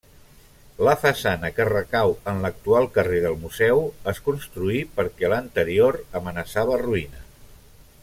La façana que recau en l'actual carrer del Museu es construí perquè l'anterior amenaçava ruïna.